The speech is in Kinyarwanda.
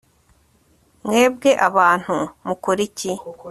mwebwe abantu mukora iki